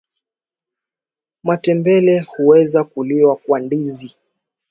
Matembele huweza kuliwa kwa ndizi